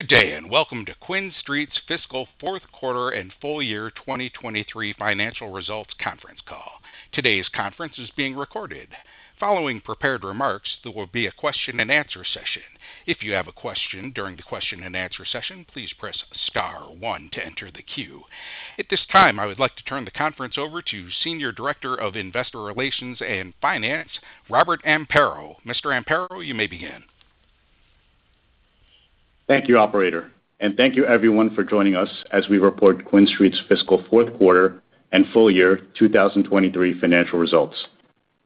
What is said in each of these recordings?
Good day, and welcome to QuinStreet's Fiscal Fourth Quarter and Full Year 2023 Financial Results conference call. Today's conference is being recorded. Following prepared remarks, there will be a question-and-answer session. If you have a question during the question-and-answer session, please press star one to enter the queue. At this time, I would like to turn the conference over to Senior Director of Investor Relations and Finance, Robert Amparo. Mr. Amparo, you may begin. Thank you, operator, and thank you everyone for joining us as we report QuinStreet's fiscal fourth quarter and full year 2023 financial results.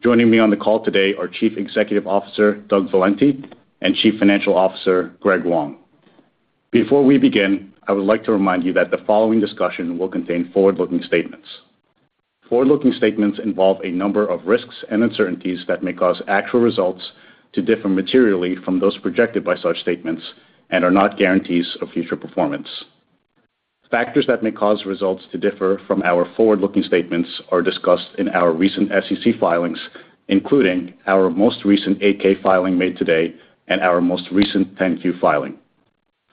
Joining me on the call today are Chief Executive Officer, Doug Valenti, and Chief Financial Officer, Greg Wong. Before we begin, I would like to remind you that the following discussion will contain forward-looking statements. Forward-looking statements involve a number of risks and uncertainties that may cause actual results to differ materially from those projected by such statements and are not guarantees of future performance. Factors that may cause results to differ from our forward-looking statements are discussed in our recent SEC filings, including our most recent 8-K filing made today and our most recent 10-Q filing.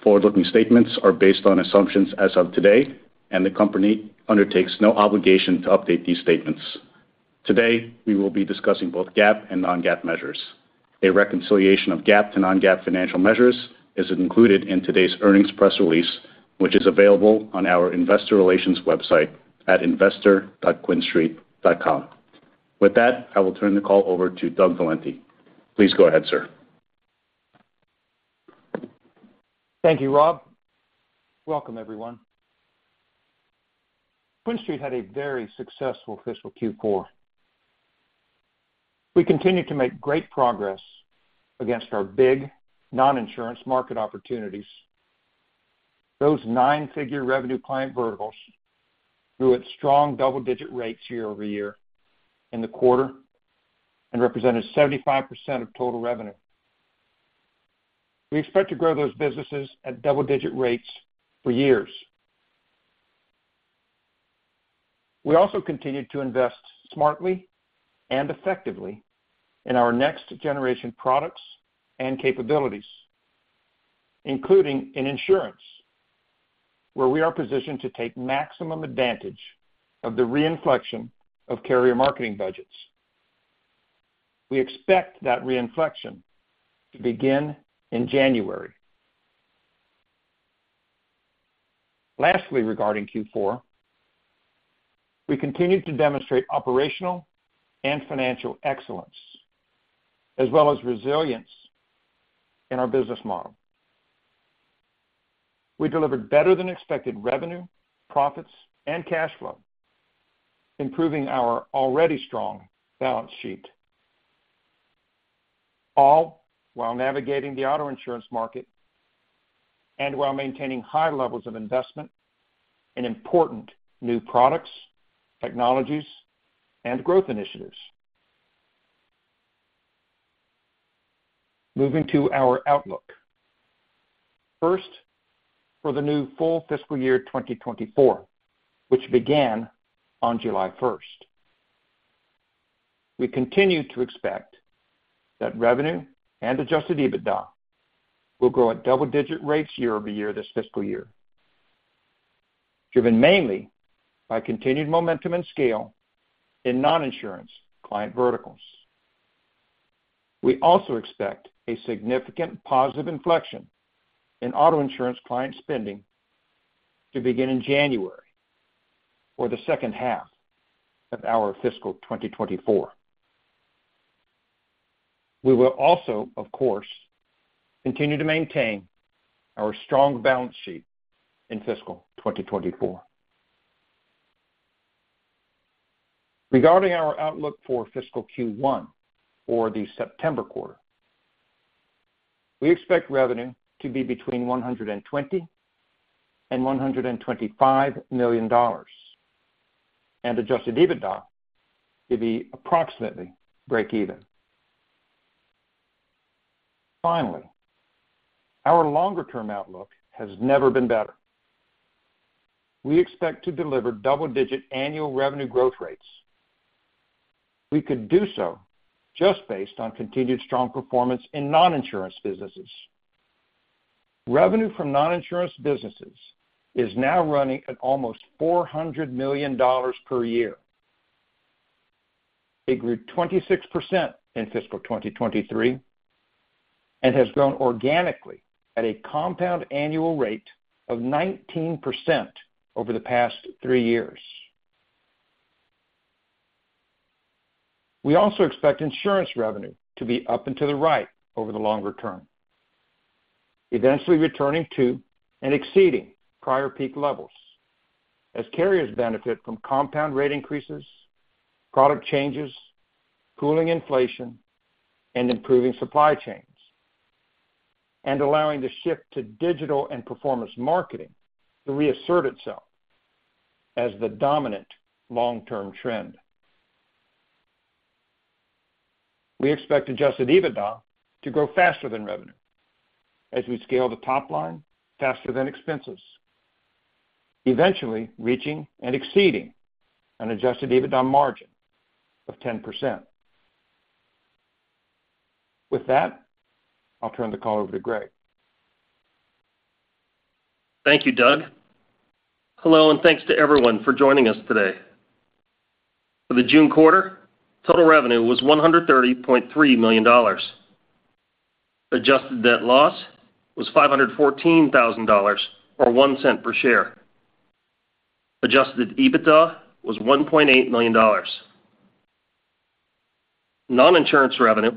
Forward-looking statements are based on assumptions as of today, and the company undertakes no obligation to update these statements. Today, we will be discussing both GAAP and non-GAAP measures. A reconciliation of GAAP to non-GAAP financial measures is included in today's earnings press release, which is available on our investor relations website at investor.quinstreet.com. I will turn the call over to Doug Valenti. Please go ahead, sir. Thank you, Rob. Welcome, everyone. QuinStreet had a very successful fiscal Q4. We continued to make great progress against our big 9-figure revenue client verticals grew at strong double-digit rates year-over-year in the quarter and represented 75% of total revenue. We expect to grow those businesses at double-digit rates for years. We also continued to invest smartly and effectively in our next-generation products and capabilities, including in insurance, where we are positioned to take maximum advantage of the re-inflection of carrier marketing budgets. We expect that re-inflection to begin in January. Lastly, regarding Q4, we continued to demonstrate operational and financial excellence as well as resilience in our business model. We delivered better-than-expected revenue, profits, and cash flow, improving our already strong balance sheet, all while navigating the auto insurance market and while maintaining high levels of investment in important new products, technologies, and growth initiatives. Moving to our outlook. First, for the new full fiscal year 2024, which began on July 1, we continue to expect that revenue and Adjusted EBITDA will grow at double-digit rates year over year this fiscal year, driven mainly by continued momentum and scale in non-insurance client verticals. We also expect a significant positive inflection in auto insurance client spending to begin in January, or the second half of our fiscal 2024. We will also, of course, continue to maintain our strong balance sheet in fiscal 2024. Regarding our outlook for fiscal Q1, or the September quarter, we expect revenue to be between $120 million and $125 million, and Adjusted EBITDA to be approximately break even. Finally, our longer-term outlook has never been better. We expect to deliver double-digit annual revenue growth rates. We could do so just based on continued strong performance in non-insurance businesses. Revenue from non-insurance businesses is now running at almost $400 million per year. It grew 26% in fiscal 2023 and has grown organically at a compound annual rate of 19% over the past 3 years. We also expect insurance revenue to be up and to the right over the longer term, eventually returning to and exceeding prior peak levels as carriers benefit from compound rate increases, product changes, cooling inflation, and improving supply chains, and allowing the shift to digital and performance marketing to reassert itself as the dominant long-term trend. We expect adjusted EBITDA to grow faster than revenue as we scale the top line faster than expenses, eventually reaching and exceeding an adjusted EBITDA margin of 10%. With that, I'll turn the call over to Greg. Thank you, Doug. Hello, and thanks to everyone for joining us today. For the June quarter, total revenue was $130.3 million. Adjusted net loss was $514,000, or $0.01 per share. Adjusted EBITDA was $1.8 million. Non-insurance revenue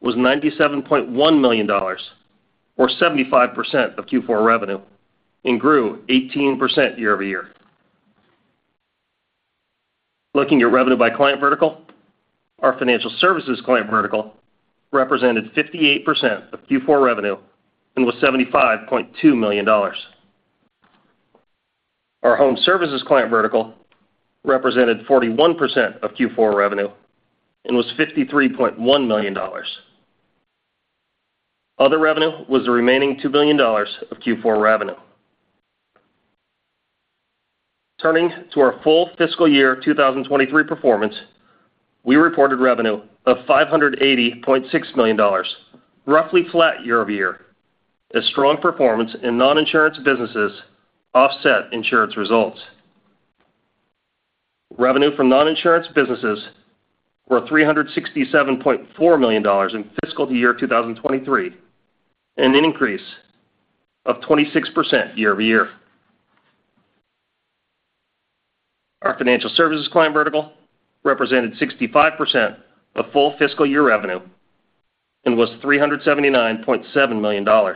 was $97.1 million, or 75% of Q4 revenue, and grew 18% year-over-year. Looking at revenue by client vertical, our financial services client vertical represented 58% of Q4 revenue and was $75.2 million. Our home services client vertical represented 41% of Q4 revenue and was $53.1 million. Other revenue was the remaining $2 million of Q4 revenue. Turning to our full fiscal year 2023 performance, we reported revenue of $580.6 million, roughly flat year-over-year, as strong performance in non-insurance businesses offset insurance results. Revenue from non-insurance businesses were $367.4 million in fiscal year 2023, an increase of 26% year-over-year. Our financial services client vertical represented 65% of full fiscal year revenue and was $379.7 million. Our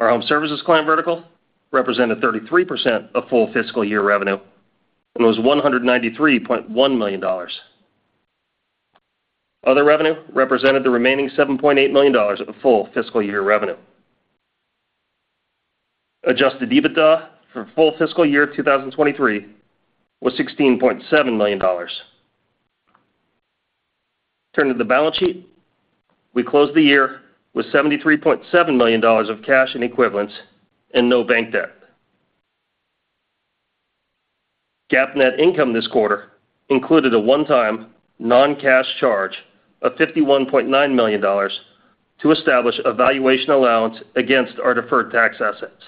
home services client vertical represented 33% of full fiscal year revenue and was $193.1 million. Other revenue represented the remaining $7.8 million of the full fiscal year revenue. Adjusted EBITDA for full fiscal year 2023 was $16.7 million. Turning to the balance sheet, we closed the year with $73.7 million of cash and equivalents and no bank debt. GAAP net income this quarter included a one-time non-cash charge of $51.9 million to establish a valuation allowance against our deferred tax assets.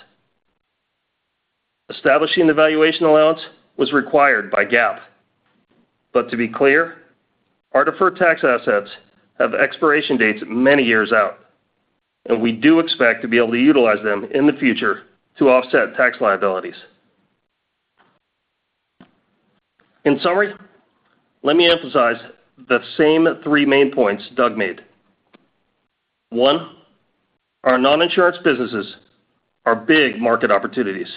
Establishing the valuation allowance was required by GAAP, but to be clear, our deferred tax assets have expiration dates many years out, and we do expect to be able to utilize them in the future to offset tax liabilities. In summary, let me emphasize the same three main points Doug made. 1, our non-insurance businesses are big market opportunities.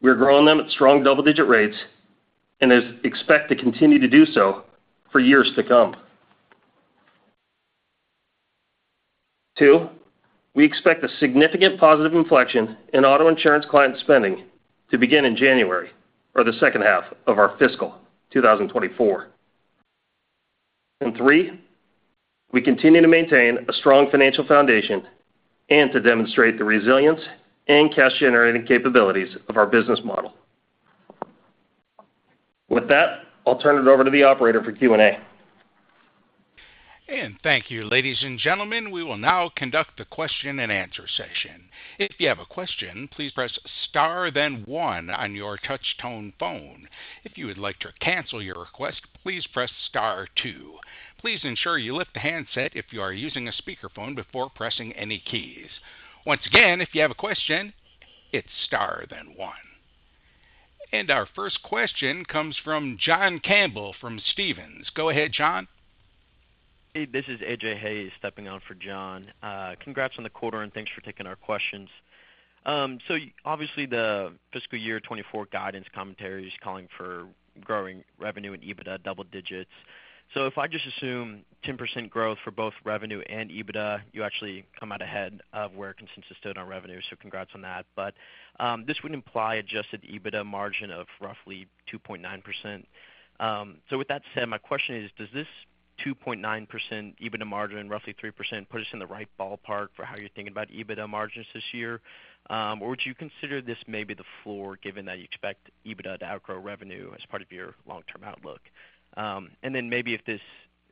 We are growing them at strong double-digit rates and expect to continue to do so for years to come. 2, we expect a significant positive inflection in auto insurance client spending to begin in January, or the second half of our fiscal 2024. 3, we continue to maintain a strong financial foundation and to demonstrate the resilience and cash-generating capabilities of our business model. With that, I'll turn it over to the operator for Q&A. Thank you, ladies and gentlemen. We will now conduct the question-and-answer session. If you have a question, please press star, then one on your touch tone phone. If you would like to cancel your request, please press star two. Please ensure you lift the handset if you are using a speakerphone before pressing any keys. Once again, if you have a question, hit star, then one. Our first question comes from John Campbell from Stephens. Go ahead, John. Hey, this is AJ Hayes, stepping in for John. Congrats on the quarter, and thanks for taking our questions. Obviously, the fiscal year 2024 guidance commentary is calling for growing revenue and EBITDA double-digits. If I just assume 10% growth for both revenue and EBITDA, you actually come out ahead of where consensus stood on revenue. This would imply Adjusted EBITDA margin of roughly 2.9%. With that said, my question is, does this 2.9% EBITDA margin, roughly 3%, put us in the right ballpark for how you're thinking about EBITDA margins this year? Would you consider this maybe the floor, given that you expect EBITDA to outgrow revenue as part of your long-term outlook? Maybe if this,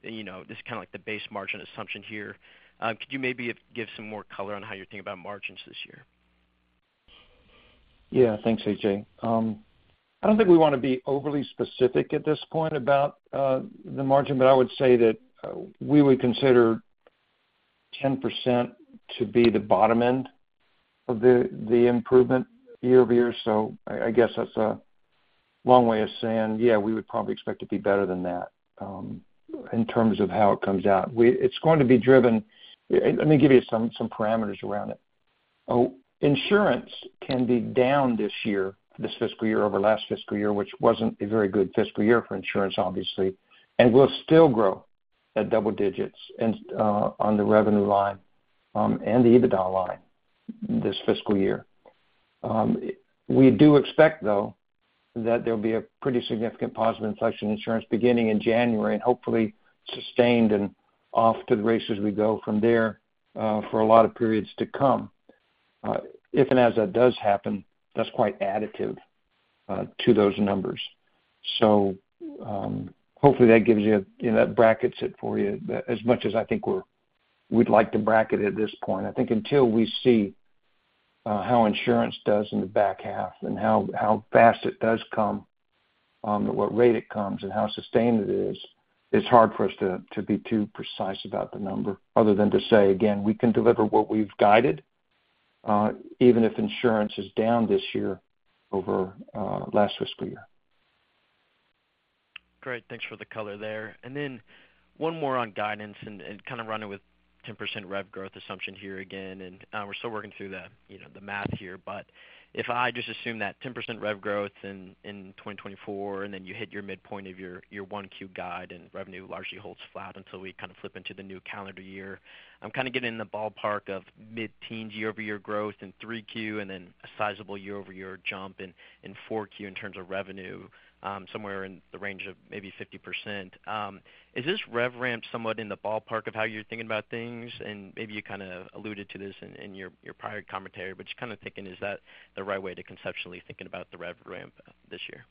you know, this is kind of like the base margin assumption here, could you maybe give some more color on how you're thinking about margins this year? Yeah. Thanks, AJ. I don't think we want to be overly specific at this point about the margin, but I would say that we would consider 10% to be the bottom end of the improvement year-over-year. I, I guess that's a long way of saying, yeah, we would probably expect to be better than that in terms of how it comes out. It's going to be driven. Let me give you some parameters around it. Insurance can be down this year, this fiscal year, over last fiscal year, which wasn't a very good fiscal year for insurance, obviously, and will still grow at double digits on the revenue line and the EBITDA line this fiscal year. We do expect, though, that there'll be a pretty significant positive inflection in insurance beginning in January and hopefully sustained and off to the race as we go from there for a lot of periods to come. If and as that does happen, that's quite additive to those numbers. Hopefully, that gives you, you know, that brackets it for you as much as I think we'd like to bracket it at this point. I think until we see how insurance does in the back half and how fast it does come, and what rate it comes and how sustained it is, it's hard for us to be too precise about the number other than to say, again, we can deliver what we've guided, even if insurance is down this year over last fiscal year. Great, thanks for the color there. One more on guidance and, and kind of running with 10% rev growth assumption here again, and, we're still working through the, you know, the math here. But if I just assume that 10% rev growth in, in 2024, and then you hit your midpoint of your, your 1Q guide, and revenue largely holds flat until we kind of flip into the new calendar year, I'm kind of getting in the ballpark of mid-teens year-over-year growth in 3Q and then a sizable year-over-year jump in, in 4Q in terms of revenue, somewhere in the range of maybe 50%. Is this rev ramp somewhat in the ballpark of how you're thinking about things? Maybe you kind of alluded to this in, in your, your prior commentary, but just kind of thinking, is that the right way to conceptually thinking about the rev ramp this year?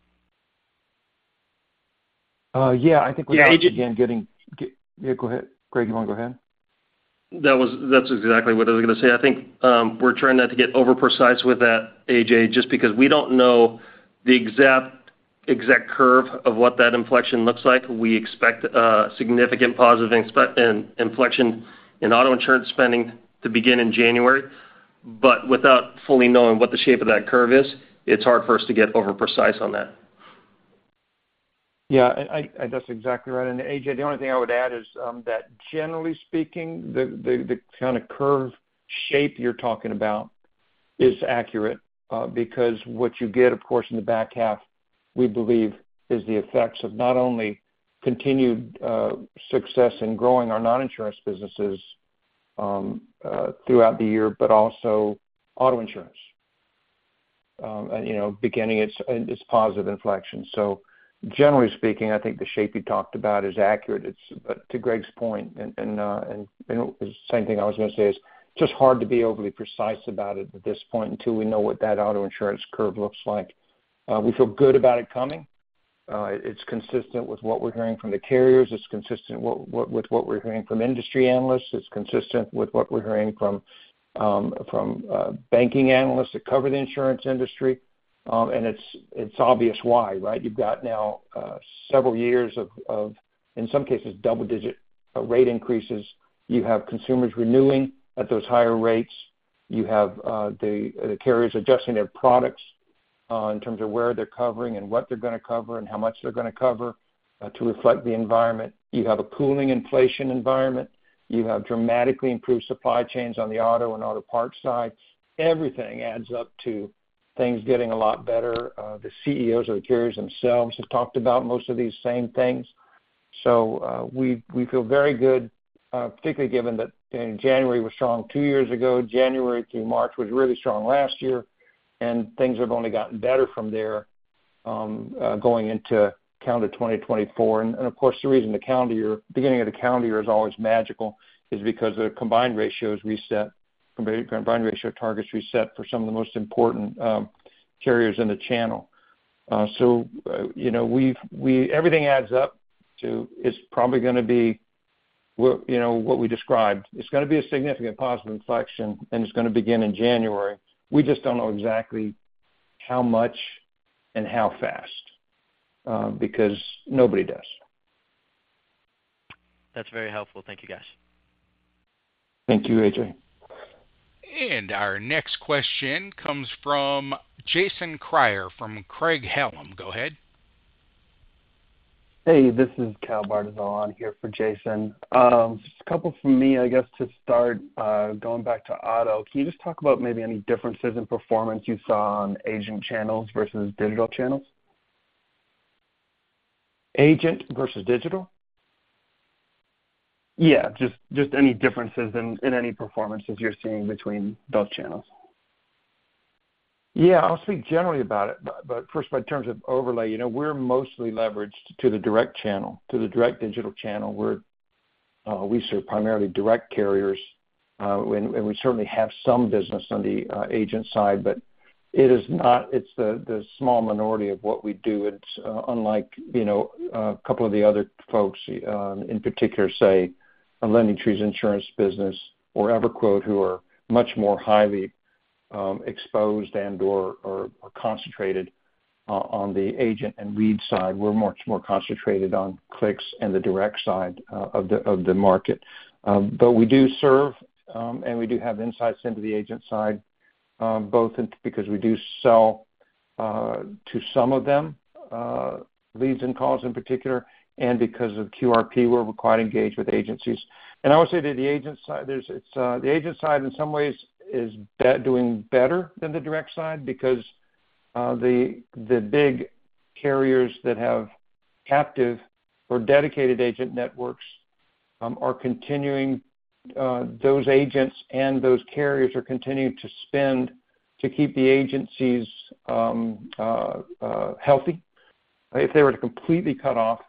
Yeah, I think we're, again. Yeah, AJ- Yeah, go ahead. Greg, you want to go ahead? That's exactly what I was going to say. I think, we're trying not to get over-precise with that, AJ, just because we don't know the exact, exact curve of what that inflection looks like. We expect significant positive inflection in auto insurance spending to begin in January, but without fully knowing what the shape of that curve is, it's hard for us to get over-precise on that. Yeah, I, I, that's exactly right. AJ, the only thing I would add is that generally speaking, the kind of curve shape you're talking about is accurate because what you get, of course, in the back half, we believe, is the effects of not only continued success in growing our non-insurance businesses throughout the year, but also auto insurance. You know, beginning its positive inflection. Generally speaking, I think the shape you talked about is accurate. To Greg's point, and the same thing I was going to say is, just hard to be overly precise about it at this point until we know what that auto insurance curve looks like. We feel good about it coming. It's consistent with what we're hearing from the carriers. It's consistent with what we're hearing from industry analysts. It's consistent with what we're hearing from banking analysts that cover the insurance industry. It's, it's obvious why, right? You've got now several years of in some cases, double-digit rate increases. You have consumers renewing at those higher rates. You have the carriers adjusting their products in terms of where they're covering and what they're going to cover and how much they're going to cover to reflect the environment. You have a cooling inflation environment. You have dramatically improved supply chains on the auto and auto parts side. Everything adds up to things getting a lot better. The CEOs of the carriers themselves have talked about most of these same things. We, we feel very good, particularly given that in January was strong 2 years ago, January through March was really strong last year, and things have only gotten better from there, going into calendar 2024. The reason the calendar year, beginning of the calendar year is always magical is because the combined ratios reset, combined ratio targets reset for some of the most important carriers in the channel. You know, we've Everything adds up to, it's probably gonna be, well, you know, what we described. It's gonna be a significant positive inflection, and it's gonna begin in January. We just don't know exactly how much and how fast because nobody does. That's very helpful. Thank you, guys. Thank you, AJ. Our next question comes from Jason Kreyer, from Craig-Hallum. Go ahead. Hey, this is Cal Bartyzal here for Jason. Just a couple from me, I guess, to start, going back to auto, can you just talk about maybe any differences in performance you saw on agent channels versus digital channels? Agent versus digital? Yeah, just any differences in any performances you're seeing between those channels. Yeah, I'll speak generally about it, but first, by terms of overlay, you know, we're mostly leveraged to the direct channel, to the direct digital channel, where we serve primarily direct carriers, and we certainly have some business on the agent side, but it is not. It's the small minority of what we do. It's unlike, you know, a couple of the other folks, in particular, say, LendingTree's insurance business or EverQuote, who are much more highly exposed and/or concentrated on the agent and lead side. We're much more concentrated on clicks and the direct side of the market. But we do serve, and we do have insights into the agent side, both because we do sell to some of them leads and calls in particular, and because of QRP, where we're quite engaged with agencies. I would say that the agent side, there's, it's, the agent side, in some ways, is doing better than the direct side because the, the big carriers that have captive or dedicated agent networks are continuing, those agents and those carriers are continuing to spend to keep the agencies healthy. If they were to completely cut off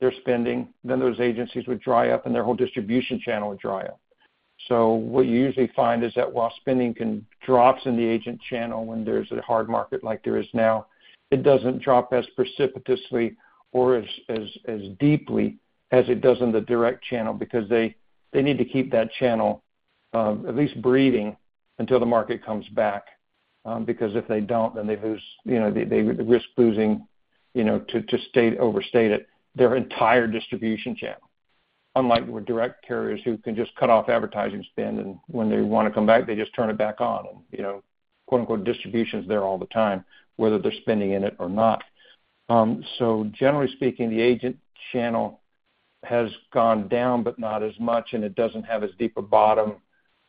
their spending, then those agencies would dry up and their whole distribution channel would dry up. What you usually find is that while spending can drops in the agent channel when there's a hard market like there is now, it doesn't drop as precipitously or as, as, as deeply as it does in the direct channel because they, they need to keep that channel, at least breathing until the market comes back. If they don't, then they lose, you know, they, they risk losing, you know, to, to state, overstate it, their entire distribution channel. Unlike with direct carriers, who can just cut off advertising spend, and when they want to come back, they just turn it back on. You know, quote, unquote, "Distribution's there all the time," whether they're spending in it or not. Generally speaking, the agent channel has gone down, but not as much, and it doesn't have as deep a bottom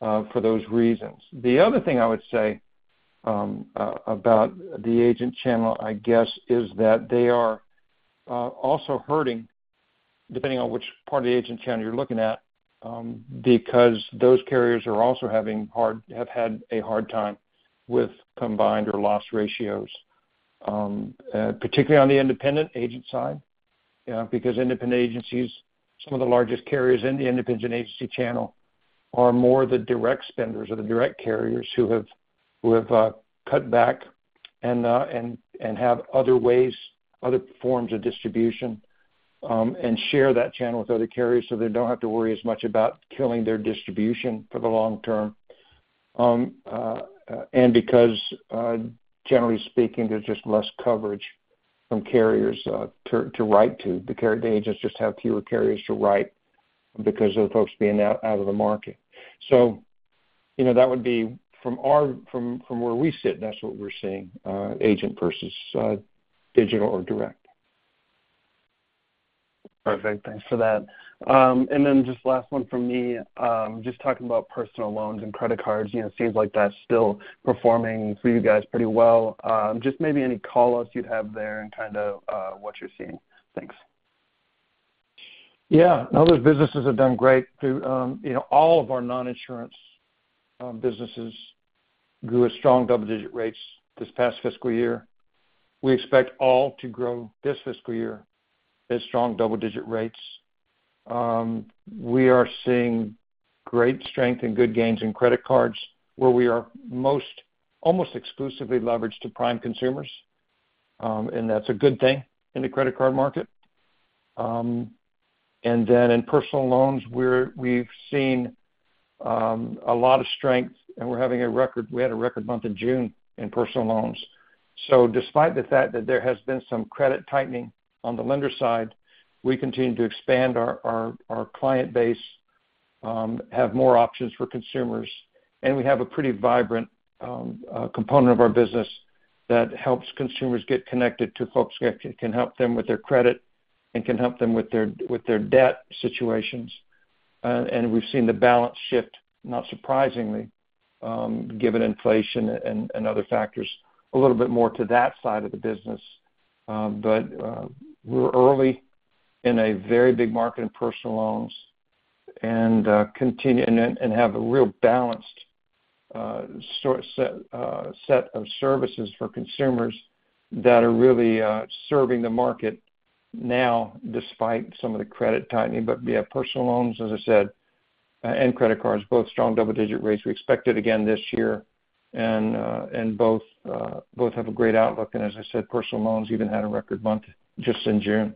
for those reasons. The other thing I would say about the agent channel is that they are also hurting, depending on which part of the agent channel you're looking at, because those carriers are also having had a hard time with combined or loss ratios. Particularly on the independent agent side, because independent agencies, some of the largest carriers in the independent agency channel are more the direct spenders or the direct carriers who have cut back and, and have other ways, other forms of distribution, and share that channel with other carriers, so they don't have to worry as much about killing their distribution for the long term. Because, generally speaking, there's just less coverage from carriers, to write to. The agents just have fewer carriers to write because of the folks being out, out of the market. You know, that would be from our, from where we sit, that's what we're seeing, agent versus digital or direct. Perfect. Thanks for that. Then just last one from me. Just talking about personal loans and credit cards, you know, it seems like that's still performing for you guys pretty well. Just maybe any call-outs you'd have there and kind of what you're seeing? Thanks. Yeah. No, those businesses have done great through, you know, all of our non-insurance businesses grew at strong double-digit rates this past fiscal year. We expect all to grow this fiscal year at strong double-digit rates. We are seeing great strength and good gains in credit cards, where we are most, almost exclusively leveraged to prime consumers, and that's a good thing in the credit card market. Then in personal loans, we're, we've seen a lot of strength, and We had a record month in June in personal loans. Despite the fact that there has been some credit tightening on the lender side, we continue to expand our client base, have more options for consumers, and we have a pretty vibrant component of our business that helps consumers get connected to folks that can help them with their credit and can help them with their debt situations. We've seen the balance shift, not surprisingly, given inflation and other factors, a little bit more to that side of the business. We're early in a very big market in personal loans and continue, and have a real balanced set of services for consumers that are really serving the market now despite some of the credit tightening. We have personal loans, as I said, and credit cards, both strong double-digit rates. We expect it again this year, and both have a great outlook. As I said, personal loans even had a record month just in June.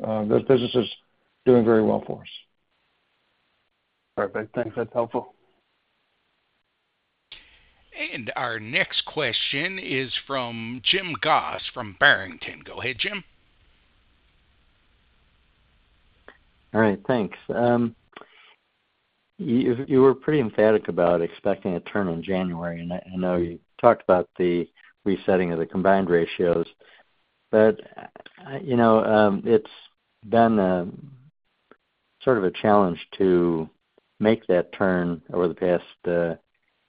Those businesses doing very well for us. Perfect. Thanks. That's helpful. Our next question is from Jim Goss, from Barrington. Go ahead, Jim. All right, thanks. You, you were pretty emphatic about expecting a turn in January. I, I know you talked about the resetting of the combined ratios. You know, it's been a sort of a challenge to make that turn over the past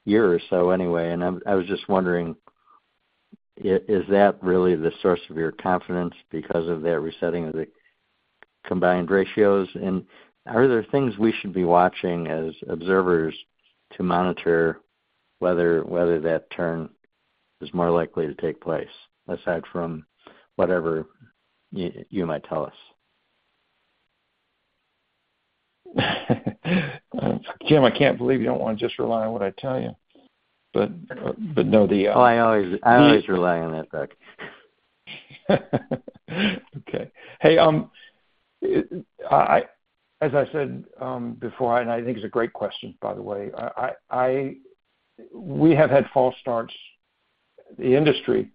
year or so anyway, and I was just wondering, is that really the source of your confidence because of that resetting of the combined ratios? Are there things we should be watching as observers to monitor whether, whether that turn is more likely to take place, aside from whatever you, you might tell us? Jim, I can't believe you don't want to just rely on what I tell you. But no, the- Oh, I always, I always rely on that, Doug. Okay. Hey, I, as I said, before, I think it's a great question, by the way. I, I, we have had false starts. The industry,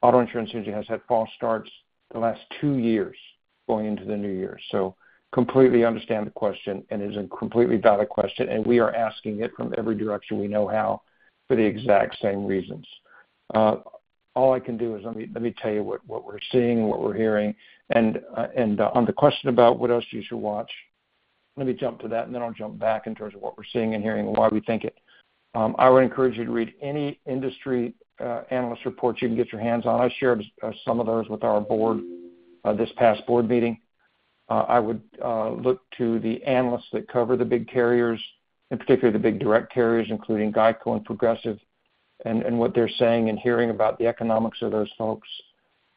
auto insurance industry, has had false starts the last two years going into the new year. Completely understand the question, and it is a completely valid question, and we are asking it from every direction we know how, for the exact same reasons. All I can do is let me, let me tell you what, what we're seeing, what we're hearing. On the question about what else you should watch, let me jump to that, and then I'll jump back in terms of what we're seeing and hearing and why we think it. I would encourage you to read any industry analyst reports you can get your hands on. I shared some of those with our board this past board meeting. I would look to the analysts that cover the big carriers, in particular, the big direct carriers, including GEICO and Progressive, and what they're saying and hearing about the economics of those folks.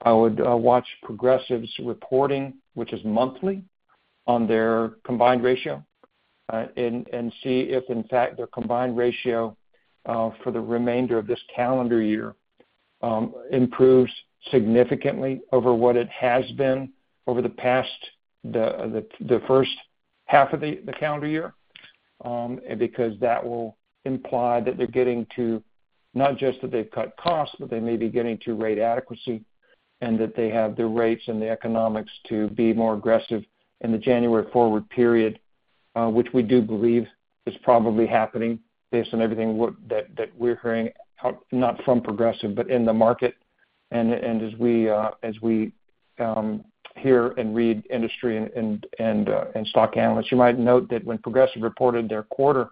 I would watch Progressive's reporting, which is monthly, on their combined ratio, and see if in fact, their combined ratio for the remainder of this calendar year improves significantly over what it has been over the past first half of the calendar year. Because that will imply that they're getting to, not just that they've cut costs, but they may be getting to rate adequacy, and that they have the rates and the economics to be more aggressive in the January forward period, which we do believe is probably happening based on everything that we're hearing out, not from Progressive, but in the market. As we hear and read industry and stock analysts. You might note that when Progressive reported their quarter,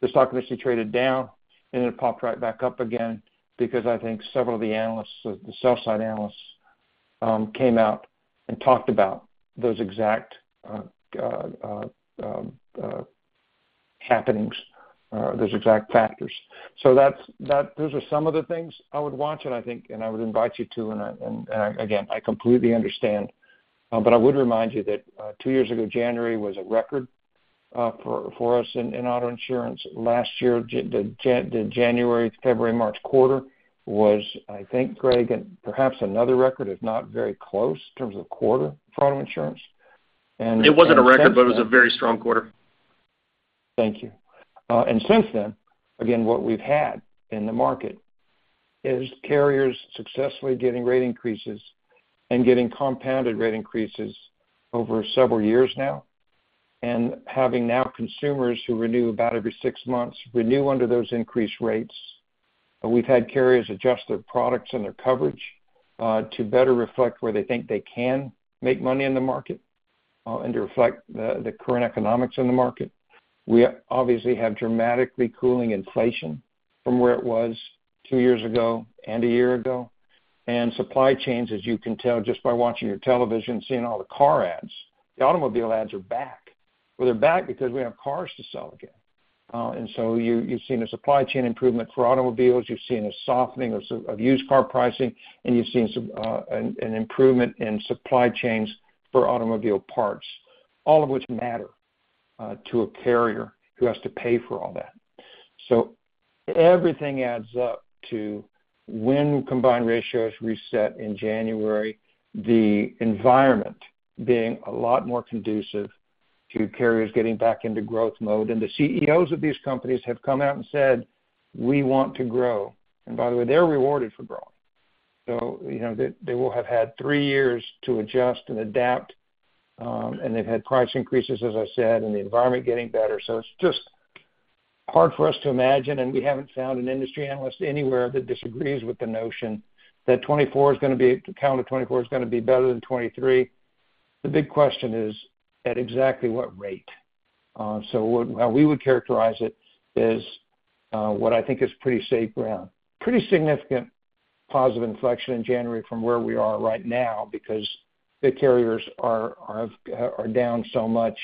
the stock initially traded down, and it popped right back up again because I think several of the analysts, the sell side analysts, came out and talked about those exact happenings, those exact factors. That's, those are some of the things I would watch, and I think, and I would invite you to, and I, and again, I completely understand. I would remind you that two years ago, January was a record for, for us in, in auto insurance. Last year, the January, February, March quarter was, I think, Greg, perhaps another record, if not very close, in terms of quarter for auto insurance. It wasn't a record, but it was a very strong quarter. Thank you. Since then, again, what we've had in the market is carriers successfully getting rate increases and getting compounded rate increases over several years now, and having now consumers who renew about every 6 months, renew under those increased rates. We've had carriers adjust their products and their coverage to better reflect where they think they can make money in the market and to reflect the current economics in the market. We obviously have dramatically cooling inflation from where it was 2 years ago and 1 year ago, and supply chains, as you can tell just by watching your television, seeing all the car ads. The automobile ads are back. Well, they're back because we have cars to sell again. So you, you've seen a supply chain improvement for automobiles, you've seen a softening of used car pricing, and you've seen some, an improvement in supply chains for automobile parts, all of which matter, to a carrier who has to pay for all that. Everything adds up to when combined ratios reset in January, the environment being a lot more conducive to carriers getting back into growth mode. The CEOs of these companies have come out and said, "We want to grow." By the way, they're rewarded for growing. You know, they, they will have had 3 years to adjust and adapt, and they've had price increases, as I said, and the environment getting better. It's just hard for us to imagine, and we haven't found an industry analyst anywhere that disagrees with the notion that 2024 is gonna be... the calendar 2024 is gonna be better than 2023. The big question is, at exactly what rate? How we would characterize it is what I think is pretty safe ground, pretty significant positive inflection in January from where we are right now, because the carriers are down so much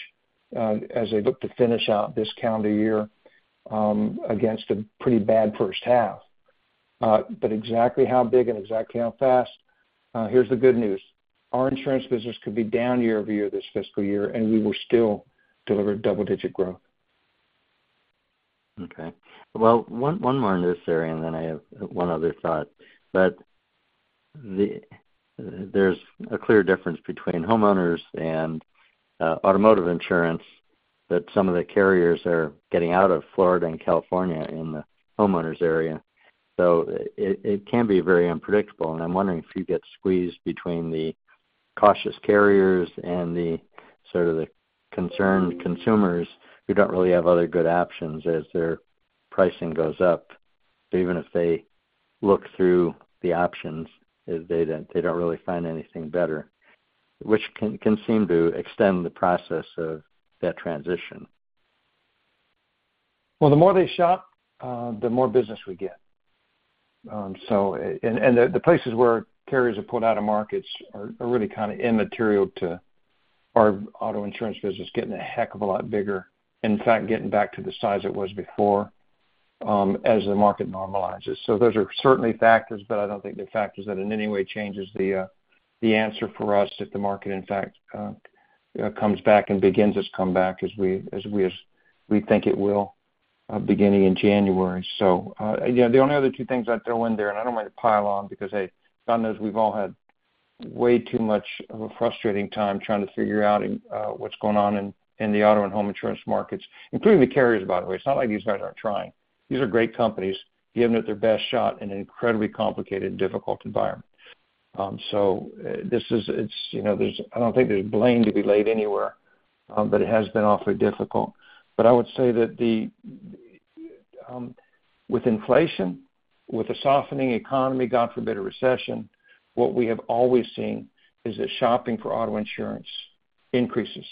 as they look to finish out this calendar year against a pretty bad first half. But exactly how big and exactly how fast? Here's the good news: Our insurance business could be down year-over-year this fiscal year, and we will still deliver double-digit growth. Okay. Well, one, one more in this area, and then I have one other thought. The, there's a clear difference between homeowners and automotive insurance, that some of the carriers are getting out of Florida and California in the homeowners area. It, it can be very unpredictable, and I'm wondering if you get squeezed between the cautious carriers and the sort of the concerned consumers who don't really have other good options as their pricing goes up. Even if they look through the options, they don't, they don't really find anything better, which can, can seem to extend the process of that transition. Well, the more they shop, the more business we get. The places where carriers are pulled out of markets are really kind of immaterial to our auto insurance business, getting a heck of a lot bigger. In fact, getting back to the size it was before, as the market normalizes. Those are certainly factors, but I don't think they're factors that in any way changes the answer for us, if the market, in fact, comes back and begins its comeback as we, as we think it will, beginning in January. Yeah, the only other two things I'd throw in there, and I don't mean to pile on, because, hey, God knows we've all had way too much of a frustrating time trying to figure out what's going on in, in the auto and home insurance markets, including the carriers, by the way. It's not like these guys aren't trying. These are great companies giving it their best shot in an incredibly complicated and difficult environment. It's, you know, there's. I don't think there's blame to be laid anywhere, but it has been awfully difficult. I would say that the, with inflation, with a softening economy, God forbid, a recession, what we have always seen is that shopping for auto insurance increases.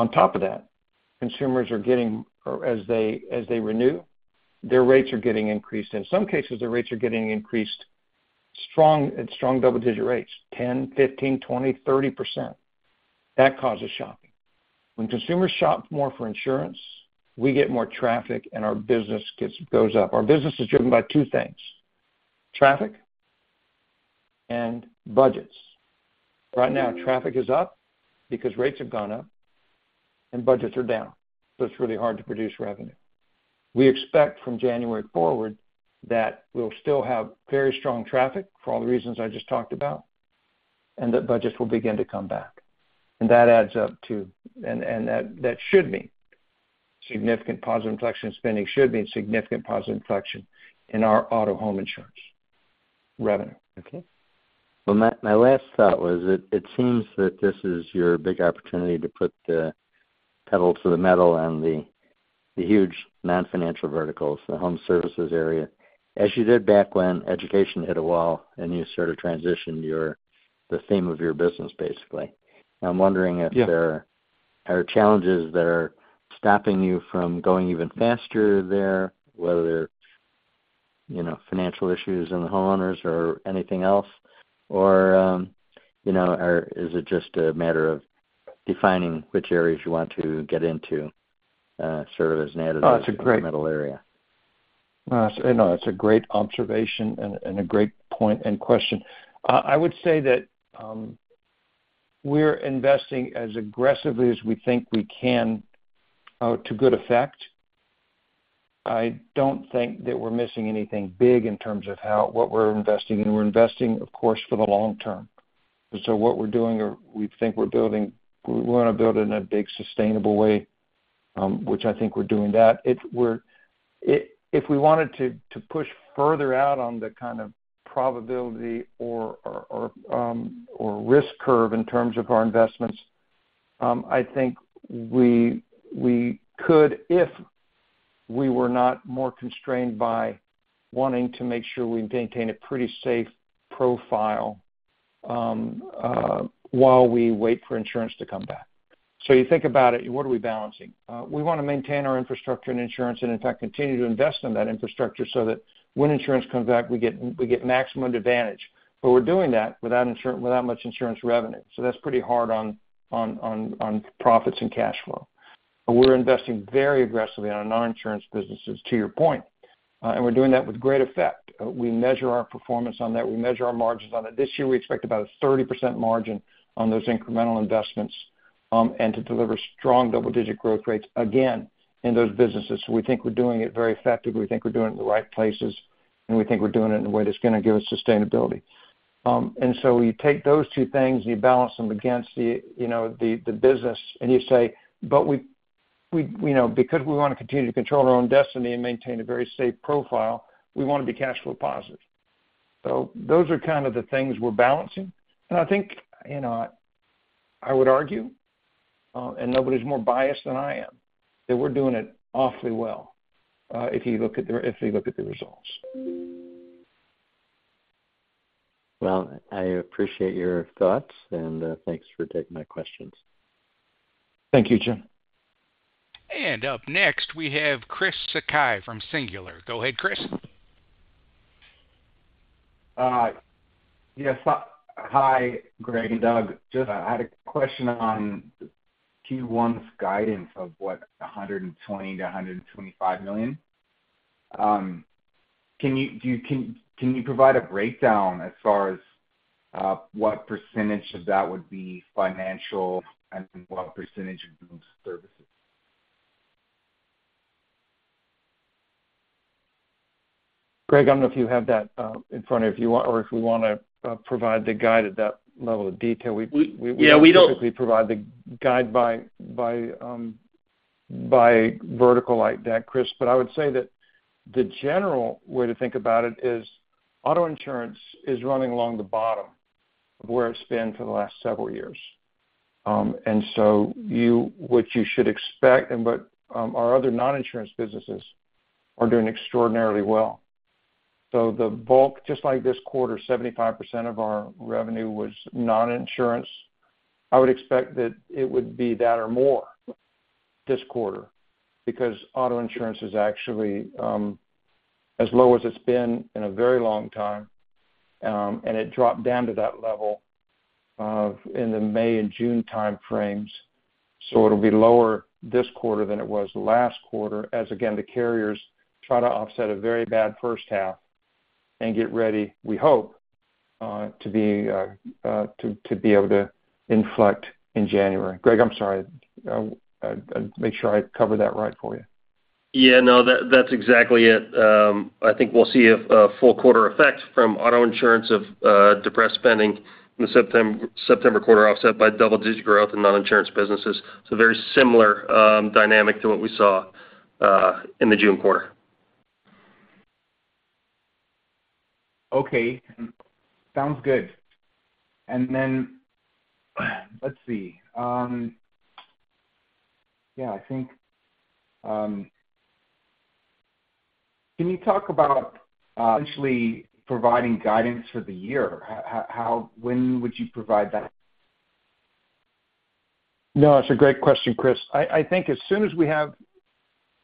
On top of that, consumers are getting, or as they, as they renew, their rates are getting increased. In some cases, their rates are getting increased strong, at strong double-digit rates, 10, 15, 20, 30%. That causes shopping. When consumers shop more for insurance, we get more traffic and our business goes up. Our business is driven by 2 things: traffic and budgets. Right now, traffic is up because rates have gone up and budgets are down, so it's really hard to produce revenue. We expect from January forward, that we'll still have very strong traffic for all the reasons I just talked about, and that budgets will begin to come back. That, that should mean significant positive inflection in spending, should mean significant positive inflection in our auto home insurance revenue. Okay. Well, my, my last thought was that it seems that this is your big opportunity to put the pedal to the metal on the, the huge non-financial verticals, the home services area, as you did back when education hit a wall and you sort of transitioned your, the theme of your business, basically. I'm wondering. Yeah if there are challenges that are stopping you from going even faster there, whether they're, you know, financial issues in the homeowners or anything else, or, you know, is it just a matter of defining which areas you want to get into, sort of as an additive? Oh, it's a great- metal area? No, it's a great observation and, and a great point and question. I would say that we're investing as aggressively as we think we can to good effect. I don't think that we're missing anything big in terms of how, what we're investing in. We're investing, of course, for the long term. What we're doing are, we think we want to build in a big sustainable way, which I think we're doing that. If we wanted to push further out on the kind of probability or risk curve in terms of our investments, I think we could, if we were not more constrained by wanting to make sure we maintain a pretty safe profile while we wait for insurance to come back. You think about it, what are we balancing? We want to maintain our infrastructure and insurance and in fact, continue to invest in that infrastructure so that when insurance comes back, we get, we get maximum advantage. We're doing that without much insurance revenue. That's pretty hard on profits and cash flow. We're investing very aggressively on our non-insurance businesses, to your point, and we're doing that with great effect. We measure our performance on that. We measure our margins on it. This year, we expect about a 30% margin on those incremental investments, and to deliver strong double-digit growth rates, again, in those businesses. We think we're doing it very effectively. We think we're doing it in the right places, and we think we're doing it in a way that's going to give us sustainability. You take those two things and you balance them against the, you know, the, the business, and you say, but we, we, you know, because we want to continue to control our own destiny and maintain a very safe profile, we want to be cash flow positive. Those are kind of the things we're balancing. I think, you know, I would argue, and nobody's more biased than I am, that we're doing it awfully well, if you look at the, if you look at the results. Well, I appreciate your thoughts. Thanks for taking my questions. Thank you, Jim. Up next, we have Chris Sakai from Singular. Go ahead, Chris. Yes. Hi, Greg and Doug. Just I had a question on Q1's guidance of what, $120 million-$125 million. Can you provide a breakdown as far as what % of that would be financial and what % of those services? Greg, I don't know if you have that in front of you or if you want to provide the guide at that level of detail. We, yeah, we don't- We typically provide the guide by, by, by vertical like that, Chris. I would say that the general way to think about it is auto insurance is running along the bottom of where it's been for the last several years. You, what you should expect, our other non-insurance businesses are doing extraordinarily well. The bulk, just like this quarter, 75% of our revenue was non-insurance. I would expect that it would be that or more this quarter, because auto insurance is actually, as low as it's been in a very long time, and it dropped down to that level in the May and June time frames. It'll be lower this quarter than it was last quarter, as again, the carriers try to offset a very bad first half and get ready, we hope, to be able to inflect in January. Greg, I'm sorry. Make sure I covered that right for you. Yeah, no, that's exactly it. I think we'll see a, a full quarter effect from auto insurance of depressed spending in the September quarter, offset by double-digit growth in non-insurance businesses. Very similar, dynamic to what we saw in the June quarter. Okay, sounds good. Let's see, I think, Can you talk about potentially providing guidance for the year? How, when would you provide that? No, that's a great question, Chris. I, I think as soon as we have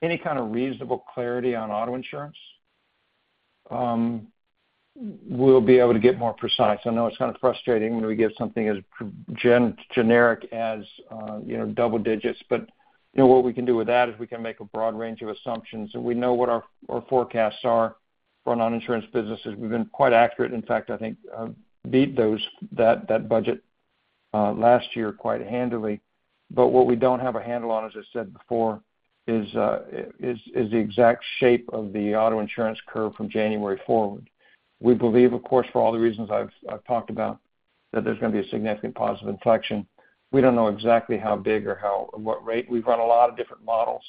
any kind of reasonable clarity on auto insurance, we'll be able to get more precise. I know it's kind of frustrating when we give something as generic as, you know, double digits, what we can do with that is we can make a broad range of assumptions, and we know what our, our forecasts are for non-insurance businesses. We've been quite accurate. In fact, I think, beat those, that, that budget, last year, quite handily. What we don't have a handle on, as I said before, is, is the exact shape of the auto insurance curve from January forward. We believe, of course, for all the reasons I've, I've talked about, that there's gonna be a significant positive inflection. We don't know exactly how big or how, what rate. We've run a lot of different models.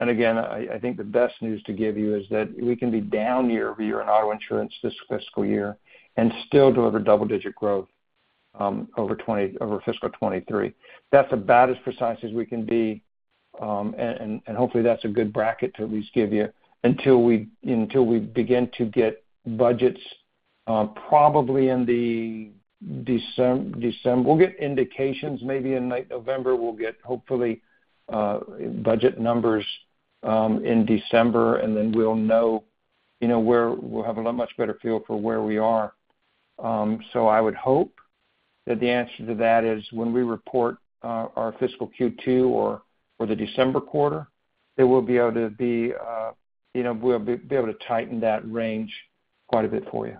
Again, I, I think the best news to give you is that we can be down year over year in auto insurance this fiscal year and still deliver double-digit growth, over fiscal 2023. That's about as precise as we can be, and hopefully that's a good bracket to at least give you until we, until we begin to get budgets, probably in the Decem- Decem-- we'll get indications, maybe in late November. We'll get, hopefully, budget numbers, in December, and then we'll know, you know, where. We'll have a much better feel for where we are. I would hope that the answer to that is when we report our fiscal Q2 or the December quarter, that we'll be able to be, you know, we'll be able to tighten that range quite a bit for you.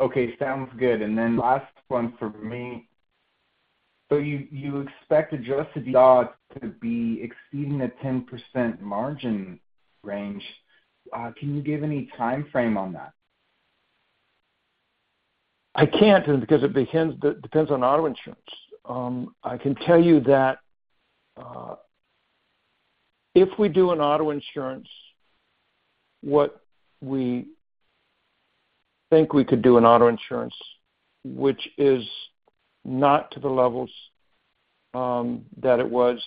Okay. Sounds good. Then last one for me. You, you expect Adjusted EBITDA to be exceeding a 10% margin range. Can you give any timeframe on that? I can't, because it depends, depends on auto insurance. I can tell you that, if we do an auto insurance, what we think we could do in auto insurance, which is not to the levels that it was,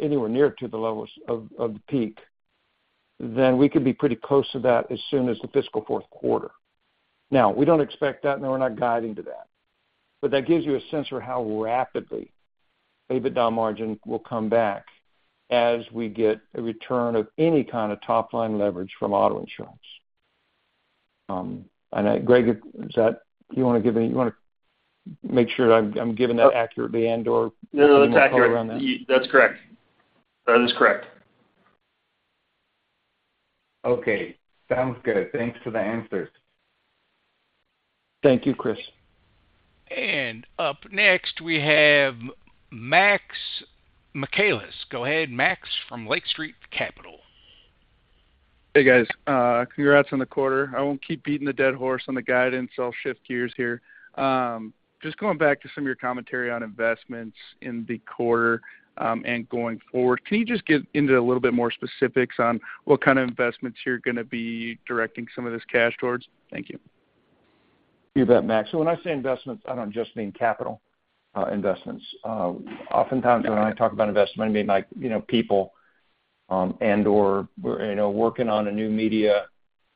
anywhere near to the levels of, of the peak, then we could be pretty close to that as soon as the fiscal 4th quarter. We don't expect that, and we're not guiding to that, but that gives you a sense for how rapidly EBITDA margin will come back as we get a return of any kind of top-line leverage from auto insurance. I know, Greg, you want to give any, you want to make sure I'm, I'm giving that accurately. No, that's accurate. That's correct. That is correct. Okay. Sounds good. Thanks for the answers. Thank you, Chris. Up next, we have Max Michaelis. Go ahead, Max, from Lake Street Capital. Hey, guys. Congrats on the quarter. I won't keep beating the dead horse on the guidance, so I'll shift gears here. Just going back to some of your commentary on investments in the quarter, and going forward, can you just get into a little bit more specifics on what kind of investments you're gonna be directing some of this cash towards? Thank you. You bet, Max. When I say investments, I don't just mean capital, investments. Oftentimes, when I talk about investment, I mean, like, you know, people, and/or, you know, working on a new media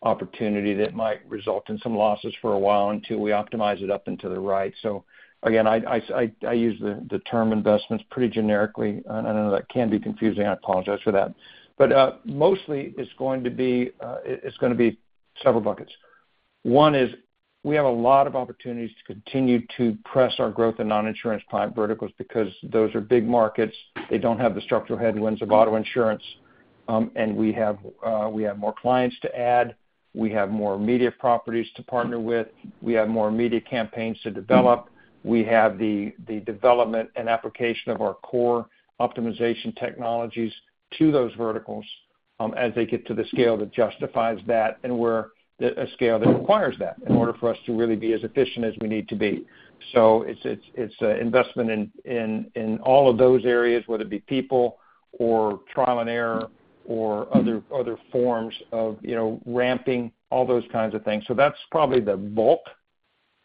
opportunity that might result in some losses for a while until we optimize it up into the right. Again, I, I, I, I use the, the term investments pretty generically, and I know that can be confusing. I apologize for that. Mostly it's going to be, it's gonna be several buckets. One is, we have a lot of opportunities to continue to press our growth in non-insurance client verticals because those are big markets. They don't have the structural headwinds of auto insurance, and we have more clients to add, we have more media properties to partner with, we have more media campaigns to develop, we have the, the development and application of our core optimization technologies to those verticals, as they get to the scale that justifies that, and where a scale that requires that in order for us to really be as efficient as we need to be. It's, it's, it's an investment in, in, in all of those areas, whether it be people or trial and error or other, other forms of, you know, ramping, all those kinds of things. That's probably the bulk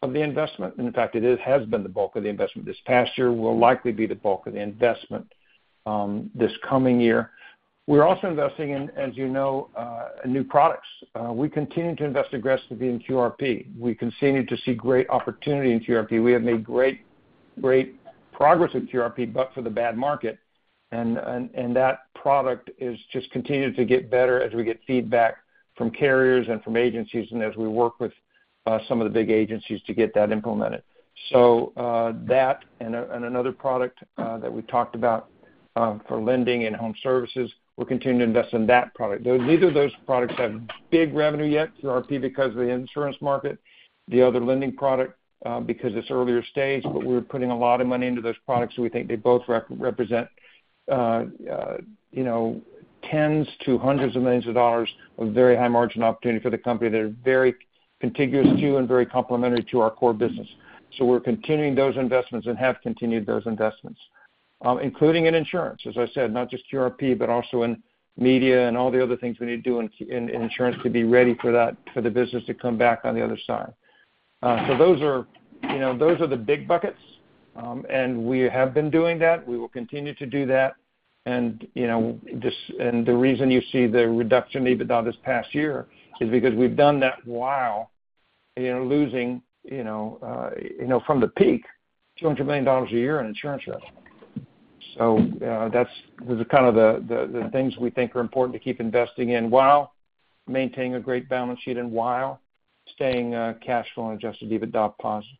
of the investment. In fact, it is has been the bulk of the investment this past year, will likely be the bulk of the investment this coming year. We're also investing in, as you know, new products. We continue to invest aggressively in QRP. We continue to see great opportunity in QRP. We have made great, great progress with QRP, but for the bad market, and, and, and that product is just continuing to get better as we get feedback from carriers and from agencies and as we work with, some of the big agencies to get that implemented. That and, and another product, that we talked about, for lending and home services, we're continuing to invest in that product. Though neither of those products have big revenue yet, QRP because of the insurance market, the other lending product, because it's earlier stage, but we're putting a lot of money into those products, we think they both represent, you know, $10s to $100s of millions of very high margin opportunity for the company. They're very contiguous to and very complementary to our core business. We're continuing those investments and have continued those investments, including in insurance, as I said, not just QRP, but also in media and all the other things we need to do in, in insurance to be ready for that, for the business to come back on the other side. Those are, you know, those are the big buckets. We have been doing that. We will continue to do that. You know, the reason you see the reduction in EBITDA this past year is because we've done that while, you know, losing, you know, from the peak, $200 million a year in insurance revenue. That's the kind of the, the things we think are important to keep investing in, while maintaining a great balance sheet and while staying, cash flow and adjusted EBITDA positive.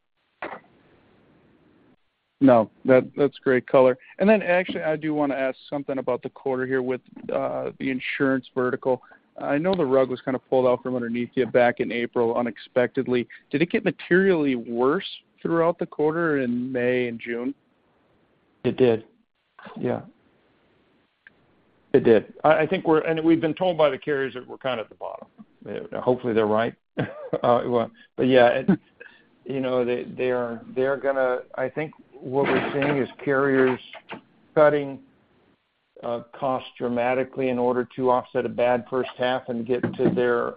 No, that-that's great color. Actually, I do wanna ask something about the quarter here with the insurance vertical. I know the rug was kind of pulled out from underneath you back in April, unexpectedly. Did it get materially worse throughout the quarter in May and June? It did. Yeah, it did. I, I think we're and we've been told by the carriers that we're kind of at the bottom. Hopefully, they're right. Well, yeah, you know, they, they are, they are gonna I think what we're seeing is carriers cutting costs dramatically in order to offset a bad first half and get to their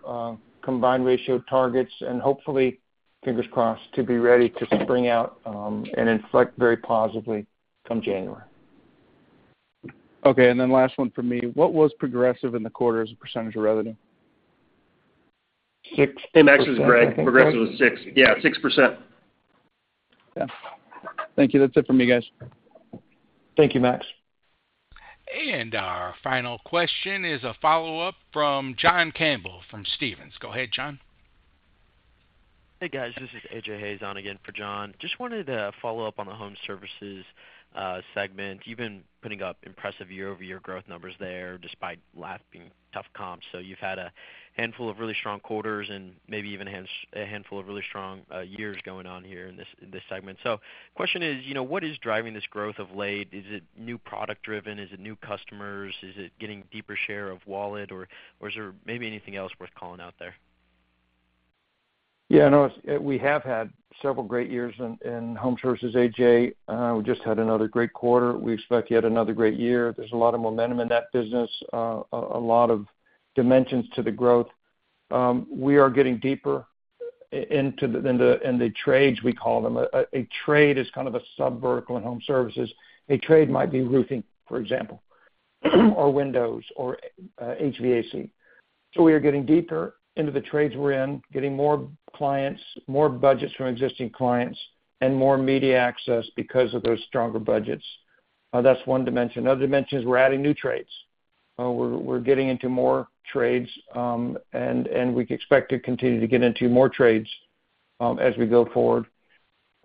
combined ratio targets, and hopefully, fingers crossed, to be ready to spring out and inflect very positively come January. Okay, then last one for me. What was Progressive in the quarter as a % of revenue? Six- Hey, Max, it's Greg. Progressive was six. Yeah, 6%. Yeah. Thank you. That's it for me, guys. Thank you, Max. Our final question is a follow-up from John Campbell, from Stephens. Go ahead, John. Hey, guys, this is AJ Hayes on again for John. Just wanted to follow up on the home services segment. You've been putting up impressive year-over-year growth numbers there, despite lapping tough comps. You've had a handful of really strong quarters and maybe even a handful of really strong years going on here in this, in this segment. The question is, you know, what is driving this growth of late? Is it new product-driven? Is it new customers? Is it getting deeper share of wallet, or is there maybe anything else worth calling out there? Yeah, no, we have had several great years in, in home services, AJ. We just had another great quarter. We expect yet another great year. There's a lot of momentum in that business, a lot of dimensions to the growth. We are getting deeper into the trades, we call them. A trade is kind of a subvertical in home services. A trade might be roofing, for example, or windows or HVAC. We are getting deeper into the trades we're in, getting more clients, more budgets from existing clients, and more media access because of those stronger budgets. That's one dimension. Another dimension is we're adding new trades. We're getting into more trades, and we expect to continue to get into more trades as we go forward.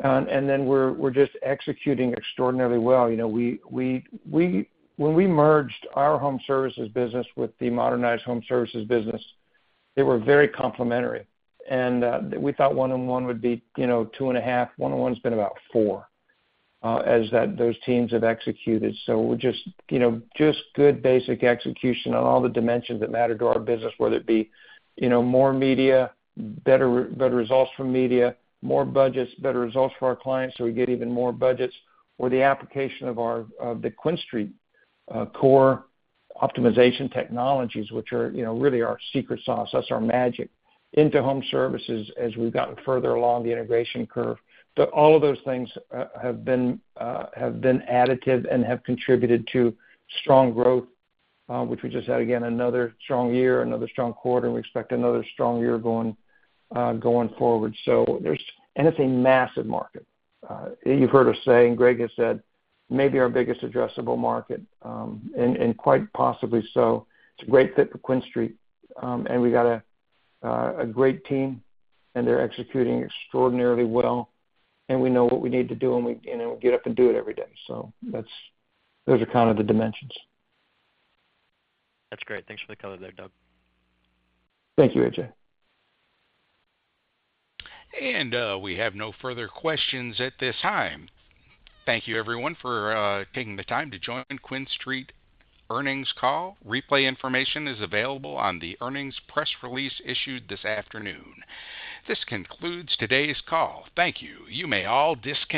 Then we're, we're just executing extraordinarily well. You know, we, when we merged our home services business with the Modernize home services business, they were very complementary, and we thought 1 on 1 would be, you know, 2.5. 1 on 1 has been about 4, as those teams have executed. We're just, you know, just good basic execution on all the dimensions that matter to our business, whether it be, you know, more media, better results from media, more budgets, better results for our clients, so we get even more budgets, or the application of our, of the QuinStreet core optimization technologies, which are, you know, really our secret sauce, that's our magic, into home services as we've gotten further along the integration curve. All of those things have been additive and have contributed to strong growth, which we just had, again, another strong year, another strong quarter, and we expect another strong year going forward. There's -- and it's a massive market. You've heard us say, and Greg has said, maybe our biggest addressable market, and, and quite possibly so. It's a great fit for QuinStreet, and we got a great team, and they're executing extraordinarily well, and we know what we need to do, and we, and we get up and do it every day. That's... Those are kind of the dimensions. That's great. Thanks for the color there, Doug. Thank you, AJ. We have no further questions at this time. Thank you, everyone, for taking the time to join QuinStreet earnings call. Replay information is available on the earnings press release issued this afternoon. This concludes today's call. Thank you. You may all disconnect.